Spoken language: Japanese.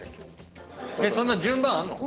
そんな順番あんの？